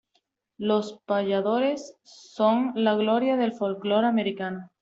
Los payadores son la gloria del folclore americano.